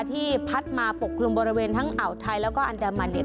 ที่พัดมาปกคลุมบริเวณทั้งอ่าวไทยแล้วก็อันดามันเนี่ย